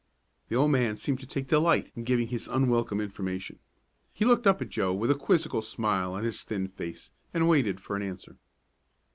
The old man seemed to take delight in giving his unwelcome information. He looked up at Joe with a quizzical smile on his thin face, and waited for an answer.